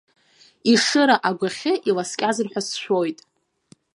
Ешыра агәахьы иласкьазар ҳәа сшәоит.